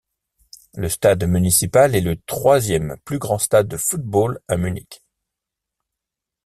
Le stade municipal est le troisième plus grand stade de football à Munich.